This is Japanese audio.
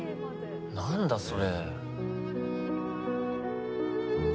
何だそれ。